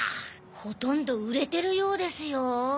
ほとんど売れてるようですよ。